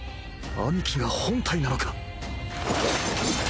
兄貴が本体なのか？